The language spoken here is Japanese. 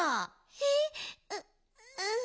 えっううん。